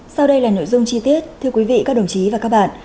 sau đây là nội dung chi tiết thưa quý vị các đồng chí và các bạn